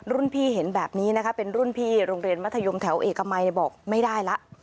พี่เห็นแบบนี้นะคะเป็นรุ่นพี่โรงเรียนมัธยมแถวเอกมัยบอกไม่ได้ละ